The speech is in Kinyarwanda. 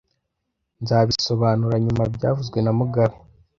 Nzabisobanura nyuma byavuzwe na mugabe